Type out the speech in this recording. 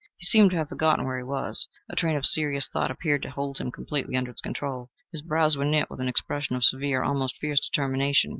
He seemed to have forgotten where he was: a train of serious thought appeared to hold him completely under its control. His brows were knit with an expression of severe almost fierce determination.